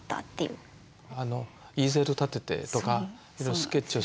イーゼル立ててとかいろいろスケッチをする。